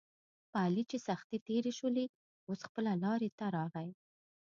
په علي چې سختې تېرې شولې اوس خپله لارې ته راغی.